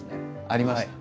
ありますか。